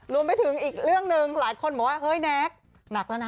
รวมไปถึงอีกเรื่องหนึ่งหลายคนบอกว่าเฮ้ยแน็กหนักแล้วนะ